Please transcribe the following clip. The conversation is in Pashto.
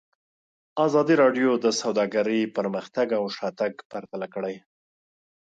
ازادي راډیو د سوداګري پرمختګ او شاتګ پرتله کړی.